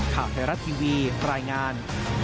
ข่าวไทยรัฐทีวีรายงาน